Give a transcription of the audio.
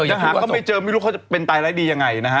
ยังหาก็ไม่เจอไม่รู้เขาจะเป็นตายร้ายดียังไงนะฮะ